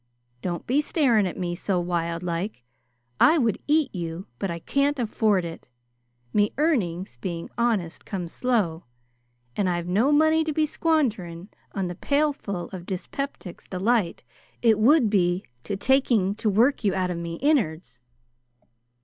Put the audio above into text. Don't be staring at me so wild like! I would eat you, but I can't afford it. Me earnings, being honest, come slow, and I've no money to be squanderin' on the pailful of Dyspeptic's Delight it would be to taking to work you out of my innards!"